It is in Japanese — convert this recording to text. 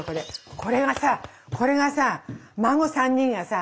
これがさこれがさ孫３人がさ